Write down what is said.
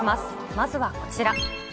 まずはこちら。